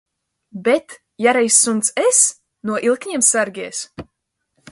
Bet, ja reiz suns es, no ilkņiem sargies!